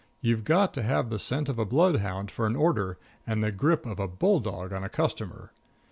You've got to have the scent of a bloodhound for an order, and the grip of a bulldog on a customer.